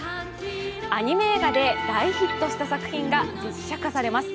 アニメ映画で大ヒットした作品が実写化されます。